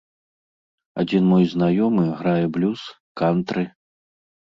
Адзін мой знаёмы грае блюз, кантры.